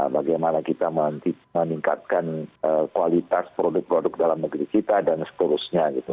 bagaimana kita meningkatkan kualitas produk produk dalam negeri kita dan seterusnya gitu